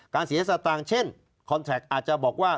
เสียสตางค์เช่นคอนแท็กอาจจะบอกว่า